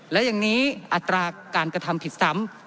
และอย่างนี้อัตราการกระทำผิดซ้ำ